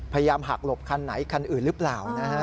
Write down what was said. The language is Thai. พยายามหักหลบคันไหนคันอื่นหรือเปล่านะฮะ